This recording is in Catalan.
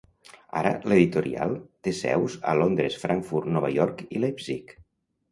Ara l'editorial té seus a Londres, Frankfurt, Nova York i Leipzig.